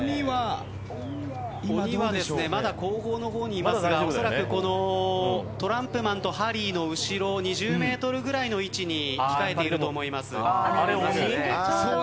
鬼はですねまだ後方の方にいますがトランプマンとハリーの後ろ２０メートルぐらいの位置に控えていると思います。